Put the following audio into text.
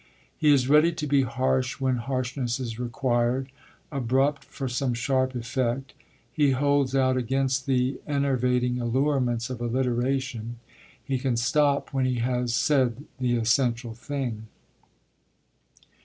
He is ready to be harsh when harshness is required, abrupt for some sharp effect; he holds out against the enervating allurements of alliteration; he can stop when he has said the essential thing.